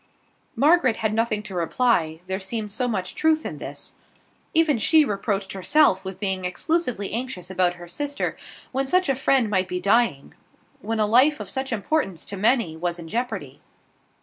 Margaret had nothing to reply, there seemed so much truth in this. Even she reproached herself with being exclusively anxious about her sister, when such a friend might be dying; when a life of such importance to many was in jeopardy.